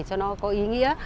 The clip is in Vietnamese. cho nó có ý nghĩa